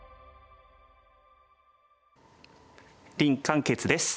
林漢傑です。